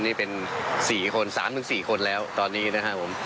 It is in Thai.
นี่เป็น๔คน๓๔คนแล้วตอนนี้นะครับผม